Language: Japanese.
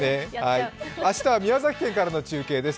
明日は宮崎県からの中継です。